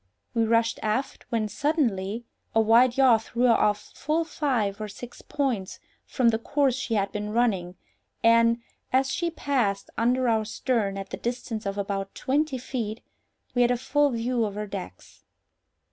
We rushed aft, when, suddenly, a wide yaw threw her off full five or six points from the course she had been running, and, as she passed under our stern at the distance of about twenty feet, we had a full view of her decks.